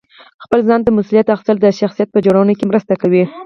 خپل ځان ته مسؤلیت اخیستل د شخصیت په جوړونه کې مرسته کوي.